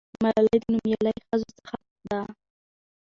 ملالۍ د نومیالۍ ښځو څخه ده.